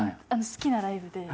好きなライブで。